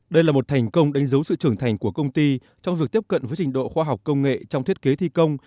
đây là một thành công đánh dấu sự trưởng thành của công ty trong việc tiếp cận với trình độ khoa học công nghệ trong thiết kế thi công